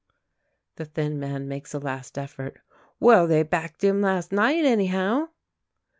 The thin man makes a last effort. "Well, they backed him last night, anyhow."